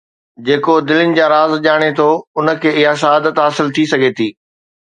جيڪو دلين جا راز ڄاڻي ٿو، ان کي اها سعادت حاصل ٿي سگهي ٿي.